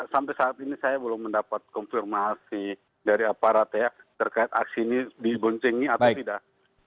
sampai saat ini saya belum mendapat konfirmasi dari aparat ya terkait aksi ini diboncengi atau tidak